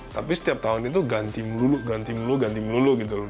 tapi setiap tahun itu ganti melulu ganti melulu ganti melulu gitu loh